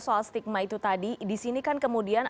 soal stigma itu tadi disini kan kemudian